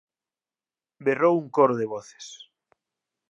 berrou un coro de voces.